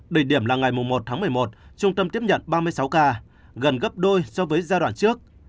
đỉnh điểm là ngày một tháng một mươi một trung tâm tiếp nhận ba mươi sáu ca gần gấp đôi so với giai đoạn trước